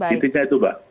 intinya itu mbak